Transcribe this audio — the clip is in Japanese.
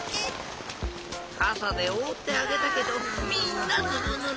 かさでおおってあげたけどみんなずぶぬれ。